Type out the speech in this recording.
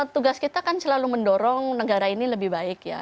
tugas kita kan selalu mendorong negara ini lebih baik ya